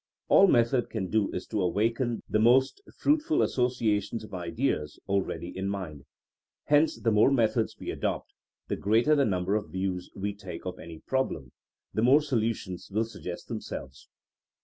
All method can do is to awaken the most fruitful associa tions of ideas already in mind. Hence the more methods we adopt — ^the greater the number of views we take of any problem — ^the more solu tions will suggest themselves.